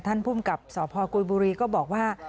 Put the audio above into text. ท่านพุ่มกรรมกรรมกับสพกุยบุรีก็บอกว่า